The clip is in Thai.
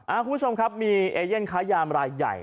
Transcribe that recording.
คุณผู้ชมครับมีเอเย่นค้ายามรายใหญ่